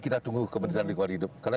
kita tunggu kementerian lingkungan hidup karena